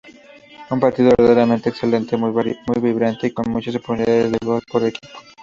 Un partido verdaderamente excelente, muy vibrante y con muchas oportunidades de gol por equipo.